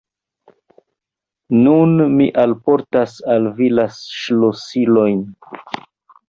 Nun mi alportas al vi la ŝlosilojn!